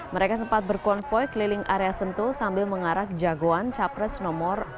mereka sempat berkonvoi keliling area sentul sambil mengarah ke jagoan capres no dua